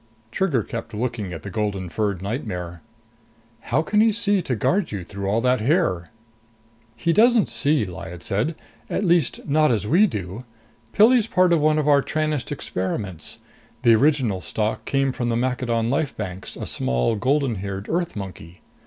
Trigger kept looking at the golden furred nightmare. "How can he see to guard you through all that hair?" "He doesn't see," Lyad said. "At least not as we do. Pilli's part of one of our Tranest experiments the original stock came from the Maccadon life banks, a small golden haired Earth monkey.